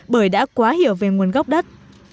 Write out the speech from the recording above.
bởi đã quá hiểu về nguồn gốc đất